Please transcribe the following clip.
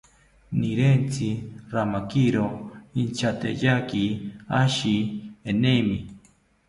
Nirentzi ramakiro intyateyaki ashi emeni